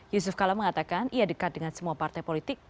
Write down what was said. yusuf kala mengatakan ia dekat dengan semua partai politik